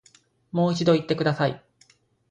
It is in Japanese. もう一度言ってください